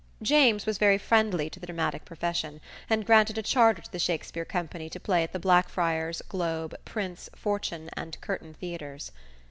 James was very friendly to the dramatic profession, and granted a charter to the Shakspere Company to play at the Blackfriars, Globe, Prince, Fortune and Curtain theatres.